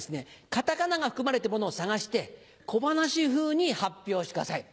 カタカナが含まれてるものを探して小噺風に発表してください。